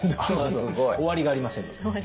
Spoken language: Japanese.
終わりがありませんので。